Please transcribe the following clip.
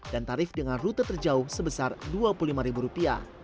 dan tarif dengan rute terjauh sebesar rp dua puluh lima